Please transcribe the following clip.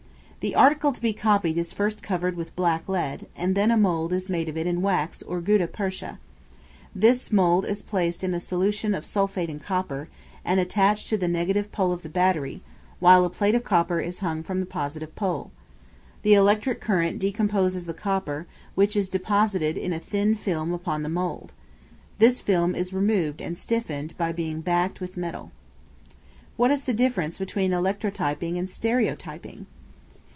The article to be copied is first covered with black lead, and then a mould is made of it in wax or gutta percha. This mould is placed in a solution of sulphate of copper, and attached to the negative pole of the battery, while a plate of copper is hung from the positive pole. The electric current decomposes the copper, which is deposited in a thin film upon the mould. This film is removed and stiffened by being backed with metal. What is the difference between Electrotyping and Stereotyping?